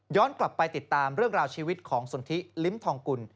กลับไปติดตามเรื่องราวชีวิตของสนทิลิ้มทองกุล